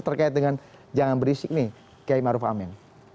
terkait dengan jangan berisik nih kiai maruf amin